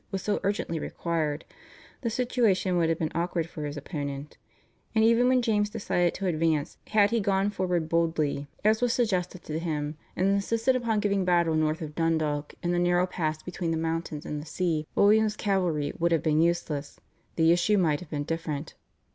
was so urgently required, the situation would have been awkward for his opponent; and even when James decided to advance had he gone forward boldly, as was suggested to him, and insisted upon giving battle north of Dundalk in the narrow pass between the mountains and the sea where William's cavalry would have been useless, the issue might have been different.